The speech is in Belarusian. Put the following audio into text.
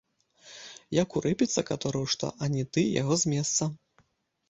Як урэпіцца каторы ў што, ані ты яго з месца.